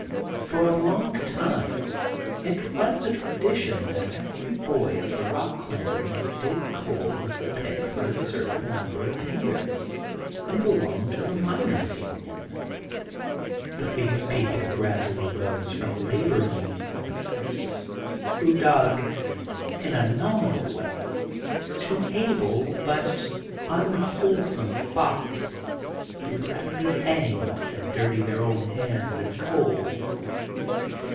For a long time it was a tradition that every boy of the Eock clan must dig coal with the pick for a certain number of years, and belong to the Miner's Union. But these peo ple gradually rose from labor union oflScers, who dug, in a nominal way, to able but unwholesome fops who would rather be hanged than dirty their own hands in coal.